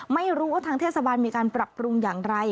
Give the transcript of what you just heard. ไม่รู้ว่าทางเทศบาลมีการปรับปรุงอย่างไร